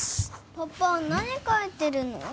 パパ何描いてるの？